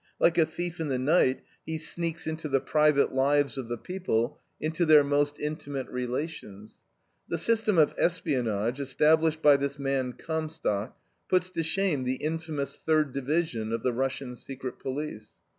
Like a thief in the night he sneaks into the private lives of the people, into their most intimate relations. The system of espionage established by this man Comstock puts to shame the infamous Third Division of the Russian secret police.